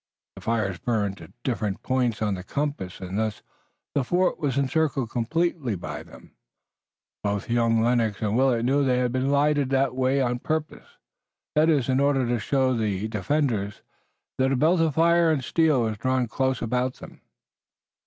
The fires burned at different points of the compass, and thus the fort was encircled completely by them. Both young Lennox and Willet knew they had been lighted that way purposely, that is in order to show to the defenders that a belt of fire and steel was drawn close about them.